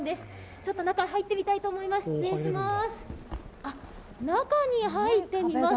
ちょっと中入ってみたいと思います。